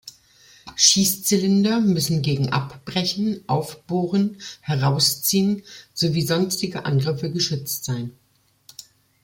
Schließzylinder müssen gegen Abbrechen, Aufbohren, Herausziehen sowie sonstige Angriffe geschützt sein.